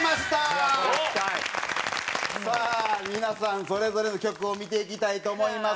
さあ皆さんそれぞれの曲を見ていきたいと思います。